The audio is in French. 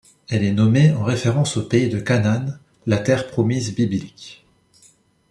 Elle est nommée en référence au Pays de Canaan, la terre promise biblique.